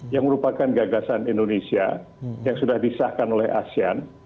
yang merupakan gagasan indonesia yang sudah disahkan oleh asean